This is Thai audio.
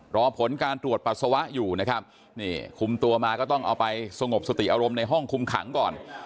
รอผลการตรวจปัสสาวะอยู่นะครับนี่คุมตัวมาก็ต้องเอาไปสงบสติอารมณ์ในห้องคุมขังก่อน